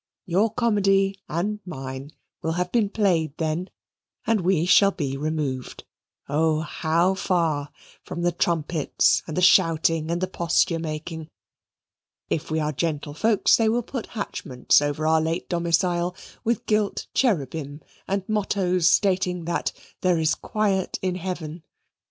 Your comedy and mine will have been played then, and we shall be removed, oh, how far, from the trumpets, and the shouting, and the posture making. If we are gentlefolks they will put hatchments over our late domicile, with gilt cherubim, and mottoes stating that there is "Quiet in Heaven."